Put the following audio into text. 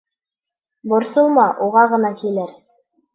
Борсолма, уға ғына килер.